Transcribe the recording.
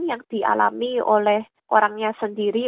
yang dialami oleh orangnya sendiri